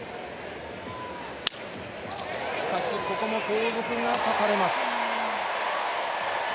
しかし、ここも後続が断たれます。